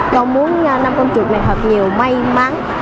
con muốn năm con chuột này hợp nhiều may mắn